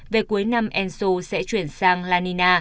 về cuối năm enso sẽ chuyển sang lanina